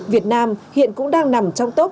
việt nam hiện cũng đang nằm trong top